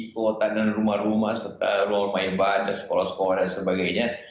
kewatan dan rumah rumah serta ruang main ban dan sekolah sekolah dan sebagainya